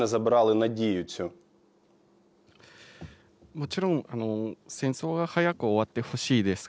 もちろん戦争が早く終わってほしいです。